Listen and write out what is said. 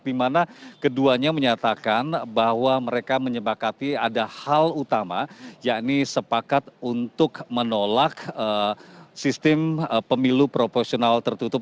dimana keduanya menyatakan bahwa mereka menyepakati ada hal utama yakni sepakat untuk menolak sistem pemilu proporsional tertutup